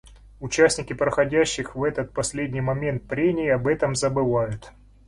Участники проходящих в этот последний момент прений об этом забывают.